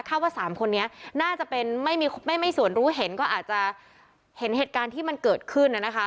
ว่า๓คนนี้น่าจะเป็นไม่มีส่วนรู้เห็นก็อาจจะเห็นเหตุการณ์ที่มันเกิดขึ้นนะคะ